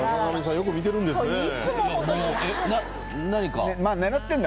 よく見てるんですね